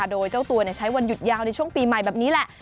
โดยเจ้าตัวใช้วันหยุดยาวในช่วงปีใหม่แบบนี้แหละ